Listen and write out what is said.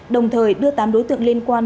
đồng thời đưa tám đối tượng liên quan